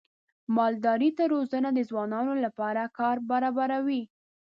مالدارۍ ته روزنه د ځوانانو لپاره کار برابروي.